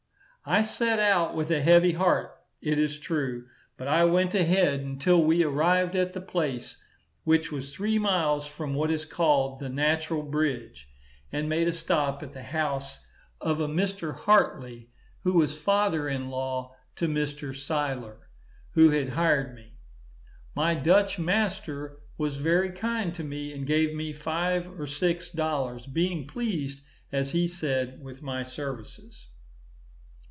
I set out with a heavy heart, it is true, but I went ahead, until we arrived at the place, which was three miles from what is called the Natural Bridge, and made a stop at the house of a Mr. Hartley, who was father in law to Mr. Siler, who had hired me. My Dutch master was very kind to me, and gave me five or six dollars, being pleased, as he said, with my services.